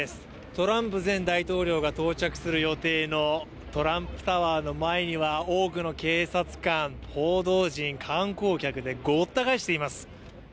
トランプ前大統領が到着する予定のトランプタワーの前には多くの警察官、報道陣観光客でごった返しています。